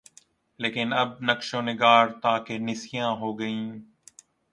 لیکن اب نقش و نگارِ طاق نسیاں ہو گئیں